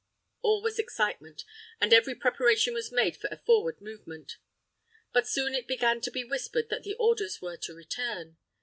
All was excitement, and every preparation was made for a forward movement. But soon it began to be whispered that the orders were to return.